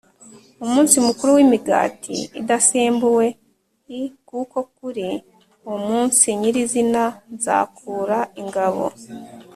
umunsi mukuru w imigati idasembuwe l kuko kuri uwo munsi nyir izina nzakura ingabo